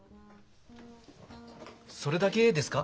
それだけですか？